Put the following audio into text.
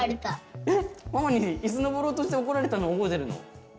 えっママにイスのぼろうとして怒られたの覚えてるの？